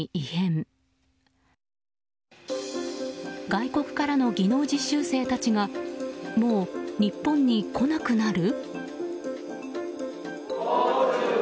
外国からの技能実習生たちがもう日本に来なくなる？